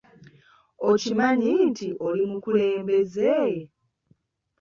Okimanyi nti oli mukulembeze?